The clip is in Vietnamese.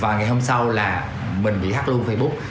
và ngày hôm sau là mình bị hắt luôn facebook